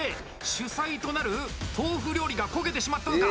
主菜となる豆腐料理が焦げてしまったのか！